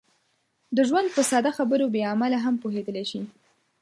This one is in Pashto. د ژوند په ساده خبرو بې علمه هم پوهېدلی شي.